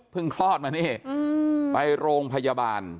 คลอดมานี่ไปโรงพยาบาล